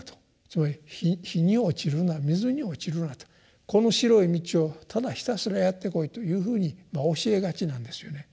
つまり火に落ちるな水に落ちるなとこの白い道をただひたすらやってこいというふうにまあ教えがちなんですよね。